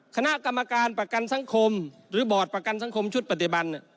คณะกรรมการประกันสังคมหรือบอร์ดประกันสังคมชุดปัจจุบัน